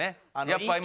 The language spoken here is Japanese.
やっぱ今。